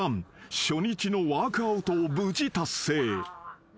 ［初日のワークアウトを無事達成］